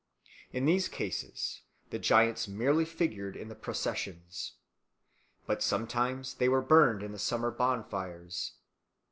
In these cases the giants merely figured in the processions. But sometimes they were burned in the summer bonfires.